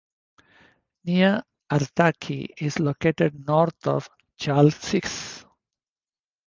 Nea Artaki is located north of Chalcis.